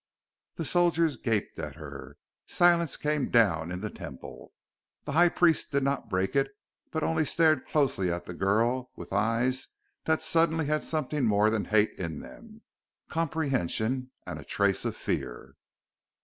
The soldiers gaped at her. Silence came down in the Temple. The High Priest did not break it, but only stared closely at the girl with eyes that suddenly had something more than hate in them comprehension, and a trace of fear....